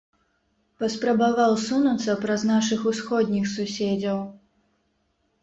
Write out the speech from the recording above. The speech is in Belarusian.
Паспрабаваў сунуцца праз нашых усходніх суседзяў.